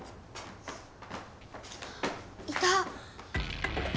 いた！